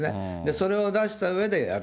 それを出したうえでやる。